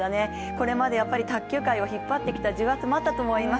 これまでやっぱり卓球界を引っ張ってきた重圧もあったと思います。